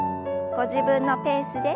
ご自分のペースで。